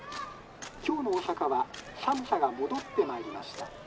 「今日の大阪は寒さが戻ってまいりました。